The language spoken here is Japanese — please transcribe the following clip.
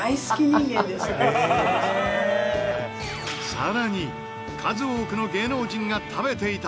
更に数多くの芸能人が食べていた！？